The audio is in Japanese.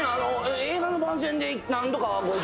映画の番宣で何度かご一緒。